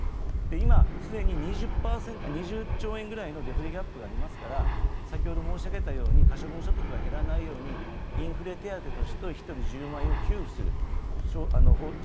今、既に２０兆円ぐらいのデフレギャップがありますから先ほど申し上げたように、可処分所得が減らないように、インフレ手当として１人１０万円を給付する。